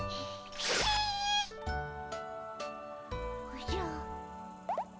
おじゃ。